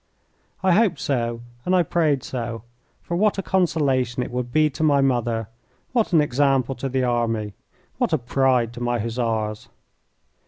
I hoped so and I prayed so, for what a consolation it would be to my mother, what an example to the army, what a pride to my Hussars!